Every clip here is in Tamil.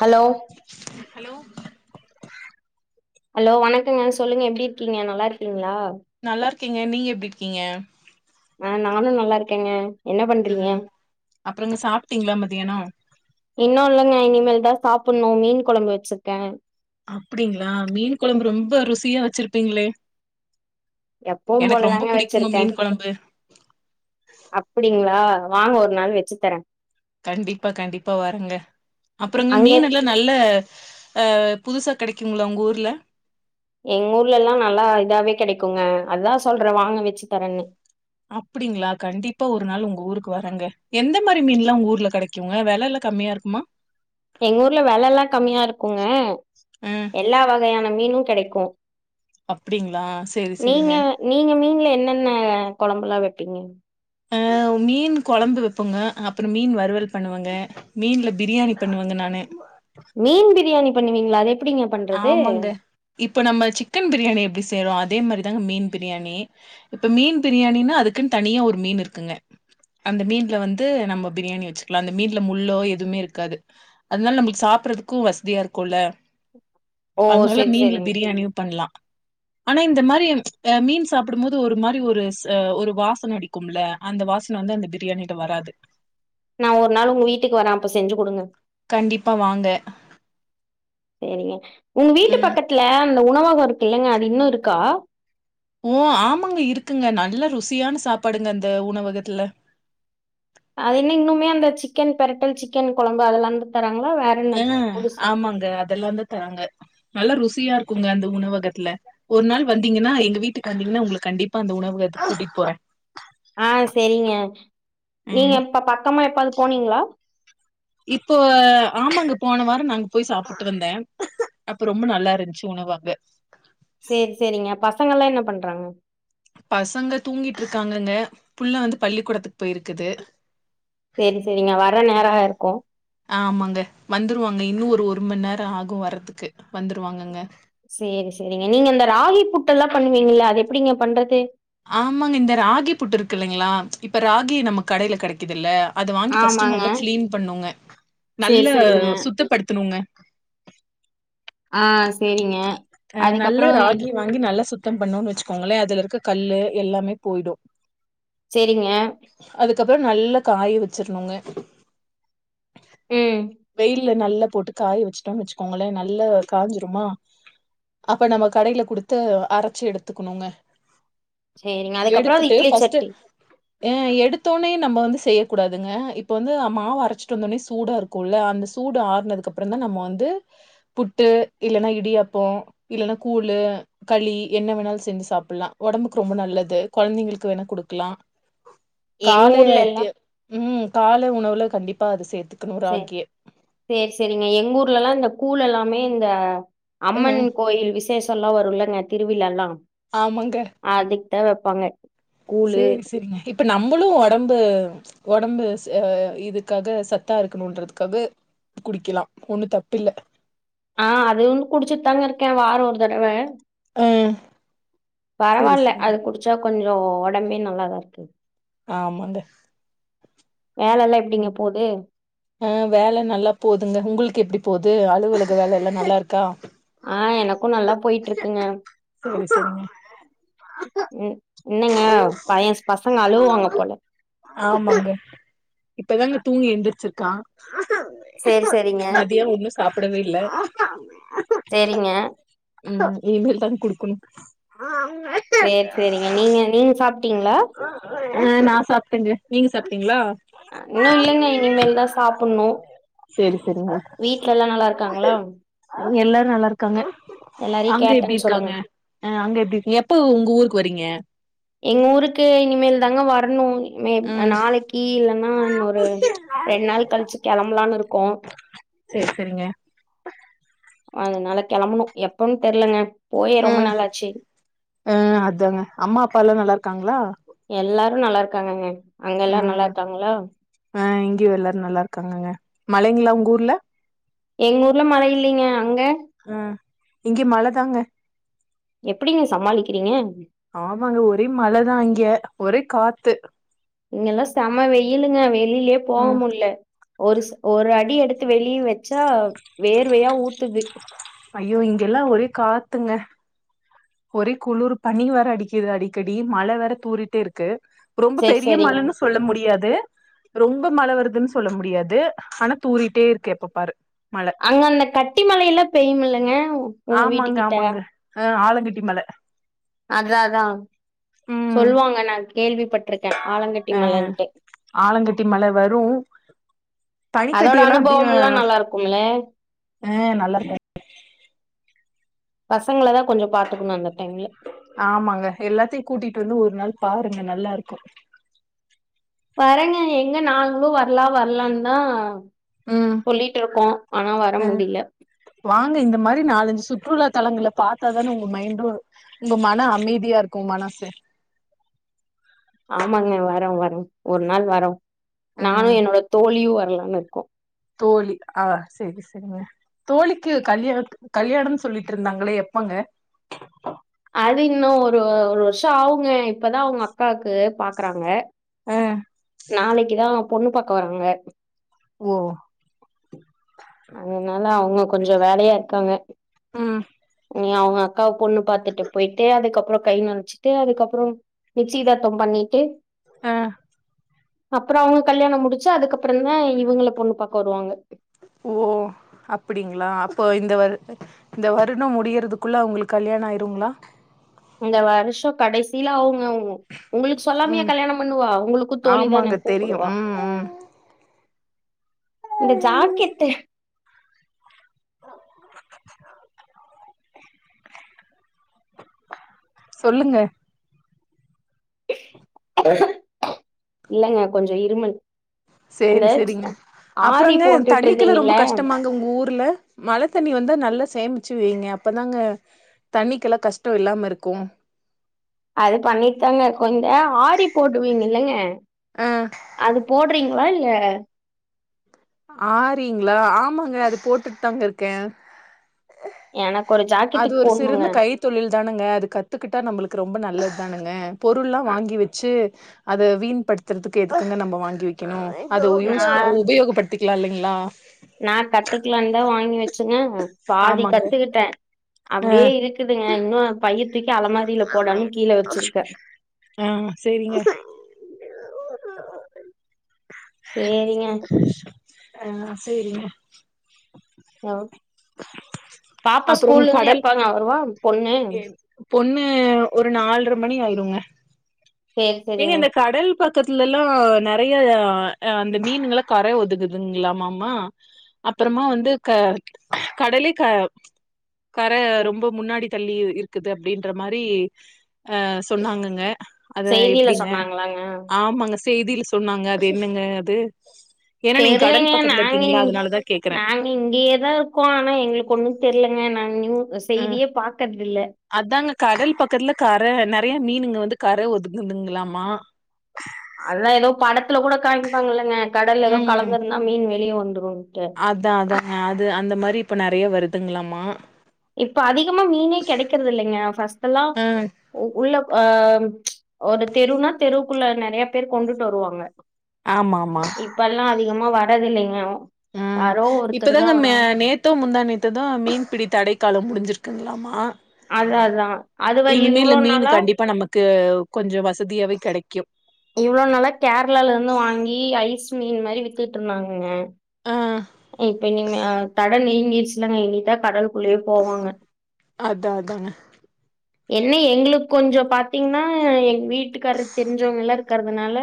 ஹலோ ஹலோ ஹலோ வணக்கங்க சொல்லுங்க எப்படி இருக்கீங்க நல்லா இருக்கீங்களா நல்லாருக்கீங்க நீங்க எப்டி இருக்கீங்க ஆ நானு நல்லாருக்கேங்க என்ன பண்றீங்க ம் அப்புறங்க சாப்ட்டீங்களா மதியானோ இன்னு இல்லங்க இனிமேல் தா சாப்பணு மீன் கொழம்பு வச்சிருக்கே அப்படிங்களா மீன் கொழம்பு ரொம்ப ருசியா வச்சிருப்பீங்களே எப்பவு எனக்கு ரொம்ப போலதாங்க புடிக்குங்க வச்சிருக்கே மீன் கொழம்பு அப்டிங்களா வாங்க ஒரு நாள் வச்சு தரே கண்டிப்பா கண்டிப்பா வரங்க அப்பறங்க அங்க மீன் எல்லா நல்ல ஆ புதுசா கெடைக்குங்கள உங்க ஊர்ல எங்க ஊர்ல எல்லா நல்லா இதாவே கெடைக்குங்க அதா சொல்றே வாங்க வச்சு தரேன்னு அப்டிங்களா கண்டிப்பா ஒரு நாள் உங்க ஊருக்கு வரங்க எந்த மாரி மீன்ல்லா உங்க ஊர்ல கெடைக் குங்க வெலல்லா கம்மியா இருக்குமா எங்க ஊர்ல வெலல்லா கம்மியா இருக்குங்க ஆ எல்லா வகையான மீனு கெடைக்கு அப்டிங்களா செரி செரிங்க நீங்க நீங்க மீன்ல என்னென்ன கொழம்புலா வெப்பீங்க ஆ மீன் கொழம்பு வெப்போங்க அப்றோ மீன் வறுவல் பண்ணுவங்க மீன்ல பிரியாணி பண்ணுவங்க நானு மீன் பிரியாணி பண்ணுவீங்ளா அதே ஆமாங்க இப்ப நம்ம சிக்கன் பிரியாணி எப்டி செய்றோ அதே மாரிதாங்க மீன் பிரியாணி இப்ப மீன் பிரியாணினா அதுக்குன் தனியா ஒரு மீன் இருக்குங்க அந்த மீன்ல வந்து நம்ம பிரியாணி வச்சுக்கலா அந்த மீன்ல முள்ளோ எதுமே இருக்காது அதனால நம்ளுக்கு சாப்பறதுக்கு வசதியா இருக்குல ஓ அதனால செரி மீன்ல செரிங்க பிரியாணியு பண்லா அனா இந்த மாரி அ மீன் சாப்டும் போது ஒரு மாரி ஒரு ச ஒரு வாசன அடிக்கும்ல அந்த வாசன வந்து அந்த பிரியாணிட்ட வராது நா ஒரு நாள் உங்க வீட்டுக்கு வரே அப்ப செஞ்சு குடுங்க கண்டிப்பாக வாங்க சரிங்க உங்க வீட்டு ம் பக்கத்துல அந்த உணவாக இருக்குல்லைங்க அது இன்னு இருக்கா ஓ ஆமாங்க இருக்குங்க நல்ல ருசியான சாப்பாடுங்க அந்த உணவகத்துல அது என்ன இன்னுமே அந்த சிக்கன் பெரட்டல் சிக்கன் கொழம்பு அதெல்லாந்தா தராங்களா வேற என்ன அ புதுசா ஆமாங்க அதெல்லாந்தா தராங்க நல்லா ருசியா இருக்குங்க அந்த உணவகத்துல ஒரு நாள் வந்தீங்கன்னா எங்க வீட்டுக்கு வந்தீங்கன்னா உங்கள கண்டிப்பா அந்த உணவகத்துக்கு கூட்டிட்டு போறே ஆ சரிங்க நீங்க ம் எப்ப பக்கமா எப்பாவது போனீங்களா இப்போ ஆமாங்க போன வாரோ நாங்க போய் சாப்டு வந்த அப்ப ரொம்ப நல்லாருந்துச்சு உணவு அங்க சேர் செரிங்க பசங்கல்லா என்ன பண்றாங்க பசங்க தூங்கிட்ருக்காங்கங்க புள்ள வந்து பள்ளிக்கூடத்துக்கு போயிருக்குது சேரி செரிங்க வர்ற நேர ம். இருக்கு ஆமாங்க வந்துருவாங்க இன்னு ஒரு ஒரு மண் நேரோ ஆகு வர்றதுக்கு வந்துருவாங்கங்க சேரி செரிங்க நீங்க இந்த ராகி புட்டல்லா பண்ணுவீங்கல்ல அது எப்டிங்க பண்றது ஆமாங்க இந்த ராகி புட்டு இருக்கு இல்லைங்களா இப்ப ராகி நமக்கு கடையில கெடைக்குதுல்ல அது வாங்கி ஃபஸ்ட்டு ஆமாங்க நல்லா கிளீன் பண்ணுங்க சேரி நல்ல சேரிங்க சுத்தப்படுத்தணுங்க ஆ செரிங்க அ நல்ல ராகி வாங்கி நல்லா சுத்தம் பண்ணோ வச்சுக்கோங்களே அதுல இருக்க கல்லு எல்லாமே போயிடு செரிங்க அதுக்கப்பறோ நல்ல காய வச்சிருனுங்க உ வெயில்ல நல்லா போட்டு காய வச்சுட்டோனு வச்சுக்கோங்களே நல்லா காஞ்சு அப்ப நம்ம கடையில குடுத்து அரைச்சு எடுத்துக்கணுங்க சேரிங்க அதுக்கப்புற அது எடுத்துட்டு இட்லி ஃபஸ்ட்டு சட்னி ஏ எடுத்தோனே நம்ம வந்து செய்ய கூடாதுங்க இப்ப வந்து மாவு அரச்சிட்டு வந்த உடனே சூடா இருக்கு ள்ள அந்த சூடு ஆறுனதுக்கு அப்றோ தா நம்ம வந்து புட்டு இல்லன்னா இடியாப்போ இல்லன்னா கூழு களி என்ன வேணாலு செஞ்சு சாப்படலா உடம்புக்கு ரொம்ப நல்லது கொழந்தைங்களுக்கு வேணா குடுக்கலா எங்க காலய ஊர்ல எல்லா உ கால உணவுல கண்டிப்பா அத சேத்துக்கணு ராகிய சேர் செரிங்க எங்க ஊர்லல்லா இந்த கூழ் எல்லாமே இந்த அ அம்மன் கோயில் வி விசேஷோ எல்லா வருலங்க திருவிழா எல்லா ஆமங்க அதுக்கு தா வெப்பாங்க சேரி செரிங்க இப்ப நம்மளு உடம்பு உடம்பு இதுக்காக சத்தா இருக்கணுன்றதுக்காக குடிக்கலா ஒண்ணு தப்புல்ல ஆ அது ஒன்னு குடிச்சிட்டு தாங்க இருக்கே வார ஒரு தடவ ஆ சேரி பரவாயில்ல சேரிங்க அது குடிச்சா கொஞ்சோ உடம்பே நல்லாதா இருக்கு ஆமாங்க வேலல்லா எப்படிங்க ம் போது ஆ வேலை நல்லா போதுங்க உங்களுக்கு எப்டி போது அலுவலக வேலல்லா நல்லா இருக்கா ஆ எனக்கு நல்லா போயிட்டு இருக்குங்க சேரி சேரிங்க ம் என்னங்க பையன் பசங்க அழுவுவாங்க போல ஆமாங்க இப்பதாங்க தூங்கி எழுந்திருச்சிருக்கா சேரி, சேரிங்க. மதியோ ஒன்னு சாப்டவே இல்ல சேரிங்க. உ இனிமேல் தண்ணி குடுக்கணு சேரி சேரிங்க நீங்க நீங்க சாப்பிட்டீங்களா ஆ நா சாப்டேங்க நீங்க சாப்ட்டீங்களா இன்னு இல்லைங்க இனிமேல் தா சாப்டணு சேரி சேரிங்க வீட்ல எல்லா நல்லா இருக்காங்களா எல்லாரு நல்லா இருக்காங்க எல்லாரையும் அங்க எப்டி கேட்டேன்னு சொல்லுங்க. இருக்காங்க ஆ அங்க எப்டி இருங்க எப்ப உங்க ஊருக்கு வரீங்க எங்க ஊருக்கு இனிமே தாங்க வரணு ம் நாளைக்கி இல்லன்னா இன்னொரு ரெண்டு நாள் கழிச்சு கெளம்பலனு இருக்கோ சேரி செரிங்க அதனால கெளம்பணு எப்பன்னு தெர்லங்க போயே உ ரொம்ப நாளாச்சு ஹ அதாங்க அம்மா அப்பா எல்லா நல்லா இருக்காங்களா எல்லாரு நல்லா இருக்காங்கங்க அங்க எல்லாரு நல்லா ம் இருக்காங்களா ஆ இங்கேயு எல்லாரு நல்லா இருக்காங்க மழைங்களா உங்க ஊர்ல எங்க ஊர்ல மழை இல்லைங்க அங்க ஆ இங்க மழ தாங்க எப்டிங்க சமாளிக்கிறீங்க ஆமாங்க ஒரே மழதா இங்கெ ஒரே காத்து இங்கெல்லா செம வெயிலுங்க வெளிலே போக ம் முட்ல ஒருஸ் ஒரு அடி எடுத்து வெளிய வெச்சா வேர்வையா ஊத்துது ஐயோ இங்கெல்லா ஒரே காத்துங்க ஒரே குளுர் பனி வேற அடிக்குது அடிக்கடி மழ வேற தூறிட்டே இருக்கு ரொம்ப சேரி பெரிய சேரிங்க மழன்னு சொ சொல்ல முடியாது ரொம்ப மழ வருதுன் சொல்ல முடியாது ஆனா தூறிட்டே இருக்கு எப்ப பாரு மழ அங்க அந்த கட்டி மழையெல்லா பெய்யுமிலங்க ஆமாங்க ஆமாங்க ஆ ஆலாங்கட்டி மழ அதா அதா சொல்லுவாங்க நா கேள்விப்பட்ருக்கே அ ஆலங்கட்டி மழ வரு அதோட பனிக்கட்டியெல்லா அப்டியே அனுபவம்லா நல்லா இருக்கும்ல அ நல்லா இருக்கு பசங்கள தா கொஞ்ச பாத்துக்கணு இந்த டைம்ல ஆமாங்க எல்லாத்தையு கூட்டிட்டு வந்து ஒரு நாள் பாருங்க நல்லா இருக்கு வரேங்க எங்க நாங்களு வர்லா வர்லான் தா ம் சொல்லிட்டு இருக்கோ ஆனா வர முடியல வாங்க இந்த மாரி நாலஞ்சு சுற்றுலா தலங்கல பாத்தாதானே உங்க மைண்டு உங்க மன அமைதியா இருக்கு மனசு ஆமாங்க வரோ வரோ ஒரு நாள் வரோ ஆ நானு என்னோட தோழியு வரலான் இருக்கோ தோழி ஆ சேரி சேரிங்க தோழிக்கு கல்யாண கல்யாணம்னு சொல்லிட்ருந்தாங்களே எப்பங்க அது இன்னு ஒரு ஒரு வர்ஷ ஆவுங்க இப்பதா அவ்ங்க அக்காவுக்கு பாக்குறாங்க அ நாளைக்குதா பொண்ணு பாக்க வறாங்க ஓ அதனால அவ்ங்க கொஞ்ச வேலையா இருக்காங்க ம் ஓ அவ்ங்க அக்காவ பொண்ணு பாத்துட்டு போயிட்டு அதுக்கப்ற கை நனச்சு ட்டு அதுக்கப்ற நிச்சியதார்த்தம் பண்ணிட்டு ஆ அப்றோ அவ்ங்க கல்யாண முடிச்சு அதுக்கப்றந்தா இவுங்கள பொண்ணு பாக்க வருவாங்க அப்டிங்ளா அப்போ இந்த வருட இந்த வருட முடியறதுக்குள்ள அவ்ங்களுக்கு கல்யாண ஆயிருங்ளா இந்த வருஷ கடைசில ஆவுங்க அவ்ங்க உங்களுக்கு சொல்லாமையா ம் கல்யாண பண்ணுவா உங்களுக்கு தோழி தானே ஆமாங்க தெரியு கூப்புடுவா ம் ம் இந்த ஜாக்கெட்டு சொல்லுங்க இல்லங்க கொஞ்ச இருமல் அந்த சேரி சேரிங்க ஜ- ஆரி அப்றோங்க போட்டுட்டு தண்ணிக்கெல்லா ரொம்ப இருந்தீங்கல்ல கஷ்டமாங் க உங்க ஊர்ல மழ தண்ணி வந்து நல்லா சேமிச்சு வெய்ங்க அப்பதாங்க தண்ணிக்கெல்லா கஷ்ட இல்லாம இருக்கு அது பண்ணிட்தாங்க இருக்கோ இந்த ஆரி போடுவீங்கல்லங்க ஆ அது போட்றீங்ளா இல்ல ஆரிங்ளா ஆமாங்க அது போட்டுட்த்தாங்க இருக்கே எனக்கு ஒரு ஜாக்கெட் போட்ணுங்க கை தொழில் தானுங்க அது கத்துக்கிட்டா நம்மளுக்கு ரொம்ப நல்லது தானுங்க பொருல்லா வாங்கி வெச்சு அத வீண் படுத்துறதுக்கு எதுக்குங்க நம்ம வாங்கி வெக்கணு அது நா யூஸ் உபயோகப்படுத் திக்கலா இல்லிங்ளா நா கத்துக்கலாந்தா வாங்கி வச்சுங்க பாதி ஆமாங்க கத்துக்கிட்டே அப்டியே இருக் குதுங்க இன்னு பைய தூக்கி அலமாரில போடாம கீழ வச்சிருக்கே ஆஹ் சரிங்க சேரிங்க ஆஹ் செரிங்க ஹலோ பாப்பா அப்புறோ ஸ்கூல்லந்து கடல் எப்பங்க வருவா பொண்ணு பொண்ணு ஒரு நால்ர மணி ஆயிருங்க சேரி நீங்க சேரிங்க இந்த கடல் பக் கத்துலலெல்லா நெறைய அந்த மீனுங்கல்லா கர ஒதுக்குதுங்களாமாமமா அப்பறமா வந்து க கடலே க கர ரொம்ப முன்னாடி தள்ளி இருக்குது அப்டின்ற மாரி அஹ் சொன்னாங்கங்க அத செய்தியில எப்டிங்க சொன்னாங்களாங்க ஆமாங்க செய்தியில சொன்னாங்க அது என்னங்க அது ஏன்னா நீங்க தெர்லிங்க கடல் பக்கத்துல நாங்க இருக்கீங்களா இங் அதனாலதா கேக்குறே நாங்க இங்கேயேதா இருக்கோ ஆனா எங்களுக்கு ஒண்ணும் தெர்லங்க நா நியூ அ செய்தியே பாக்கறதில்ல அதாங்க கடல் பக்கத்துல கரை நெறைய மீனுங்க வந்து கரை ஒதுக்குதுங்களாமா அதுதா ஏதோ படத்துல கூட காமிப்பாங்கல்லங்க கடல்ல ஏதோ கலந்துருந்தா மீன் வெளியே வந்துருன்ட்டு அத்தா அதாங்க அது அந்த மாரி இப்ப நெறையா வருதுங்களாமா இப்ப அதிகமா மீனே கெடைக்கறது இல்லைங்க ஃபர்ஸ்ட்டல்லா உள்ள ஆஹ் ஒரு தெருனா தெருக்குள்ள நெறைய பேர் கொண்டுட்டு வருவாங்க ஆமா ஆமா இப்பல்லா அதிகமா வரதில்லிங்க ஆ யாரோ ஒருத்தர் தா இப்பதாங்க மே வராங் நேத்தோ முந்தாநேத்து தா மீன்பிடி தடைக்காலம் முடிஞ்சிருக்குங்களாமா அதா அதா அதுவா இனிமேலு இவ்ளோ மீன் நாளா கண்டிப்பா நமக்கு கொஞ்சோ வசதியாவே கெடைக்கும் இவ்ளோ நாளா கேரளால இருந்து வாங்கி ஐஸ் மீன் மாரி வித்துட்டு இருந்தாங்கக ஆ இப்ப இனிமே தட நீங்கிருச்சுலாங்க இனிதா கடல் குள்ளவே போவாங்க அதா அதாங்க என்ன எங்ளுக்கு கொஞ்சோ பாத்தீங்னா எங் வீட்டுக்காரருக்கு தெரிஞ்சவங்க எல்லாரு இருக்கறதுனால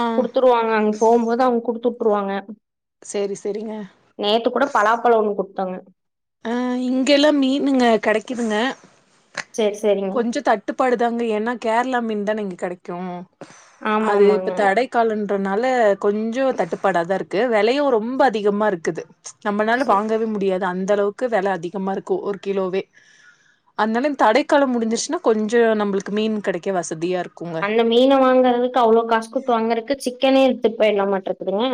ஆ குடுத்துருவாங்க அங்க போம்போது அவ்ங் குட்த்து வுட்டுருவாங்க சேரி சேரிங்க நேத்து கூட பலாப்பழம் ஒண்ணு குட்த்தாங்க ஆஹ இங்க கெல்லா மீனுங்க கெடைக்குதுங்க சேரி சேரிங்க கொஞ்சோ தட் டுப்பாடு தாங்க ஏனா கேரள மீன் தான இங்க கெடைக்கும் ஆமா அது இப்ப ஆமாங்க தடை காலோன்றனால கொஞ்சோ தட்டுப்பாட தா இருக்கு விலையும் ரொம்ப அதிகமா இருக்குது நம்மனால சே வாங்கவே முடியாது அந்த அளவுக்கு வில அதிகமா இருக்கும் ஒரு கிலோவே அதனால தடைக்காலம் முடிஞ்சிருச்சுன்னா கொஞ்சோ நம்ளுக்கு மீன் கெடைக்க வசதியா இருக்கு இந்த மீனை வாங்குறதுக்கு அவ்ளோ காசு குத்து வாங்குறக்கு சிக்கனே எடுத்துபட்போயில்லா மாட்டுருக்குதுங்க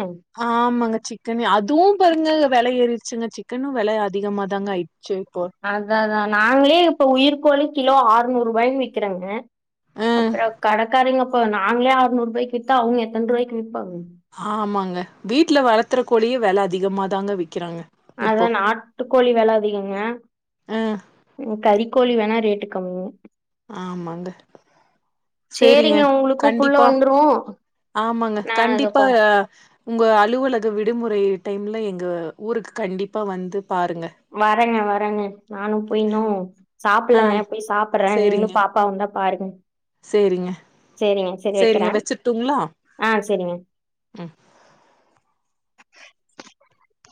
ஆ ஆமாங்க சிக்கன்னு அதுவு பாருங்க வெல ஏறிடுச்சுங்க சிக்கனும் வெல அதிகமா தாங்க ஆயி செரிப்பா அத அதா நாங்களே இப்ப உயிர் கோழி கிலோ ஆறுநூறு ரூபாயன்னு விக்கிறாங்க ஆ அப்பறோ கடைக்காரிங்க இப்போ நாங்களே ஆறநூறு ரூபாய்க்க வித்தா அவங்க எத்தன் ரூபாய்க்குவிப்பாங்க ஆமாங்க வீட்ல வளத்தற கோழியே வெல அதிகமா தாங்க விக்கிறாங்க அதா இப்போ நாட்டுக்கோழி வெல அதிகங்க ஆ ம் கறிக்கோழி வேணா ரேட்டு கம்மி ஆமாங்க சேரிங்க உங்களுக்கு புள்ள கண்டிப்பா வந்துரு ஆமாங்க நா அத கண்டிப்பா கொ உங்க அலுவலக விடுமுறை டைம்ல எங்க ஊருக்கு கண்டிப்பா வந்து பாருங்க வரங்க வரங்க நானும் பைய்னு ஆ சாப்பட்லங்க போய் சாப்பட்றே நீங்களு சேரிங்க பாப்பா வந்தா பாருங்க சேரிங்க சேரிங்க சேரி சேரிங்க வைக்கிறே வெச்சுர்டுங்ளா ஆ சேரிங்க ம்